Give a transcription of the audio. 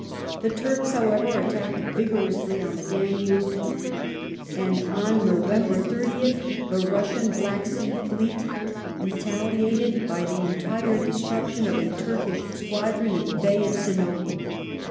The Turks, however, attacked vigorously on the Danube, and on November 30th the Russian Black Sea fleet retaliated by the entire destruction of a Turkish squadron in the Bay of Sinope.